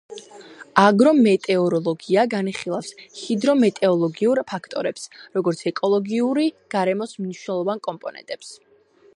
აგრომეტეოროლოგია განიხილავს ჰიდრომეტეოროლოგიურ ფაქტორებს, როგორც ეკოლოგიური გარემოს მნიშვნელოვან კომპონენტებს.